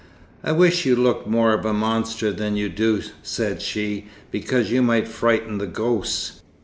"I wish you looked more of a monster than you do," said she, "because you might frighten the ghosts.